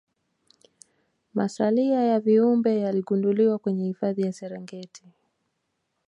Masalia ya viumbe yaligunduliwa kwenye hifadhi ya serengeti